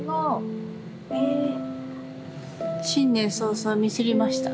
新年早々ミスりました。